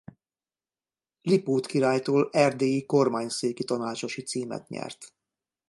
Lipót királytól erdélyi kormányszéki tanácsosi címet nyert.